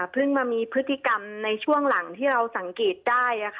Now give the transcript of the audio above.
เพิ่งมามีพฤติกรรมในช่วงหลังที่เราสังเกตได้